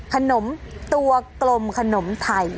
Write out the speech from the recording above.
ขนมตัวกลมขนมไทย